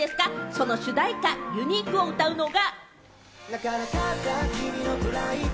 その主題歌『ユニーク』を歌うのが。